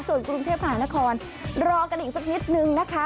ส่วนกรุงเทพหานครรอกันอีกสักนิดนึงนะคะ